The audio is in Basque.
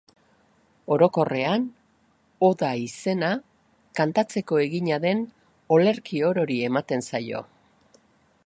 Orokorrean, oda izena, kantatzeko egina den olerki orori ematen zaio.